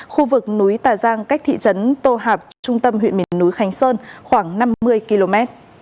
khu vực núi tà giang cách thị trấn tô hạp trung tâm huyện miền núi khánh sơn khoảng năm mươi km